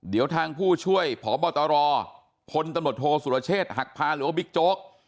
เดี๋ยวทางผู้ช่วยผอบตรคนตนโธสุรเชษหักพาหรือว่าบิ๊กโจ๊ก